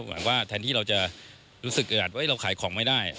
หวังว่าแทนที่เราจะรู้สึกอึดอัดว่าเราขายของไม่ได้